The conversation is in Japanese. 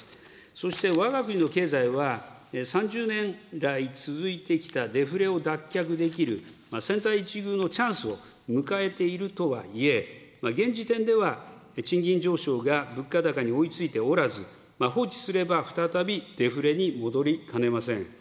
そしてわが国の経済は、３０年来続いてきたデフレを脱却できる、千載一遇のチャンスを迎えているとはいえ、現時点では、賃金上昇が物価高に追いついておらず、放置すれば、再びデフレに戻りかねません。